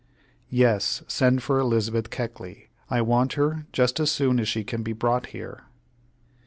"Yes, send for Elizabeth Keckley. I want her just as soon as she can be brought here."